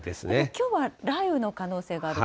きょうは雷雨の可能性があると。